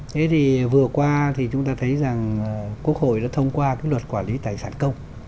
thế thì vừa qua thì chúng ta thấy rằng quốc hội đã thông qua cái luật quản lý tài sản công